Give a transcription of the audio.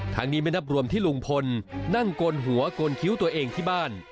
ไม่นับรวมที่ลุงพลนั่งโกนหัวโกนคิ้วตัวเองที่บ้าน